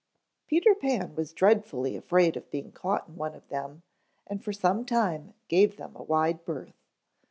Peter Pan was dreadfully afraid of being caught in one of them and for some time gave them a wide berth.